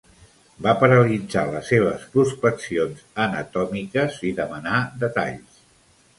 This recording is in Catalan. Va paralitzar les seves prospeccions anatòmiques i demanà detalls.